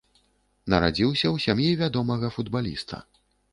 Нарадзіўся ў сям'і вядомага футбаліста.